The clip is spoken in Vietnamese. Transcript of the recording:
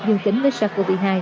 dương kính với sars cov hai